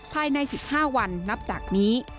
ภายใน๑๕วันนับจากนี้